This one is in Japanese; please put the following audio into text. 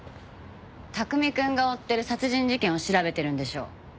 拓海くんが追ってる殺人事件を調べてるんでしょ？